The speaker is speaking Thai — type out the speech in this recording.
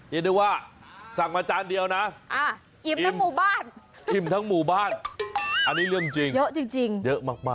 เย็นด้วยว่าสั่งมาจานเดียวนะอิ่มทั้งหมู่บ้านอันนี้เริ่มจริงเยอะมาก